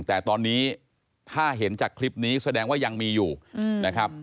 แต่ตอนนี้ถ้าเห็นจากคลิปนี้แสดงว่ายังมีอยู่นะครับ